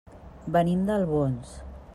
Venim d'Albons.